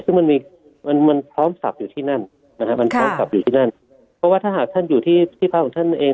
ซึ่งมันพร้อมสรรพอยู่ที่นั่นเพราะว่าถ้าหากท่านอยู่ที่พระของท่านเอง